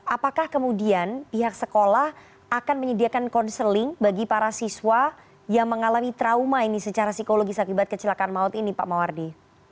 apakah kemudian pihak sekolah akan menyediakan konseling bagi para siswa yang mengalami trauma ini secara psikologis akibat kecelakaan maut ini pak mawardi